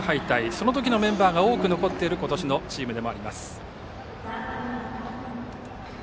その時のメンバーが多く残っている今年のチームでもあります。